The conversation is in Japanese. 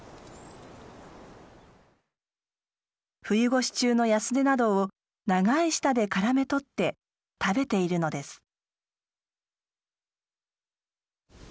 冬越し中のヤスデなどを長い舌でからめ捕って食べているのです。